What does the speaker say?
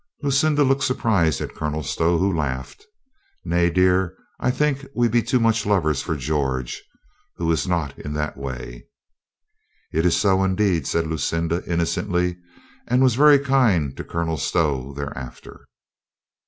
Lucinda looked surprised at Colonel Stow, who laughed. "Nay, dear, I think we be too much lovers for George, who is not in that way." MY LORD DIGBY UPON WOMAN 167 "Is it so indeed?" said Lucinda innocently, and was very kind to Colonel Stow thereafter.